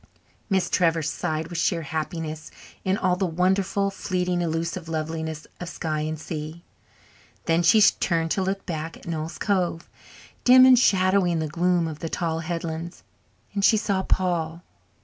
Miss Trevor sighed with sheer happiness in all the wonderful, fleeting, elusive loveliness of sky and sea. Then she turned to look back at Noel's Cove, dim and shadowy in the gloom of the tall headlands, and she saw Paul.